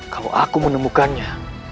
kalau aku menemukannya